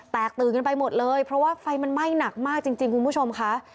แตกตื่นกันไปหมดเลยเพราะว่าไฟมันไหม้หนักมากจริงคุณผู้ชมค่ะ